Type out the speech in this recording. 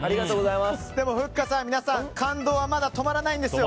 でもふっかさん、皆さん感動はまだ止まらないんですよ。